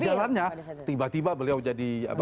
jalannya tiba tiba beliau jadi